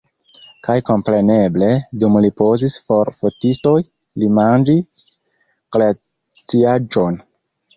Kaj kompreneble, dum li pozis por fotistoj, li manĝis glaciaĵon!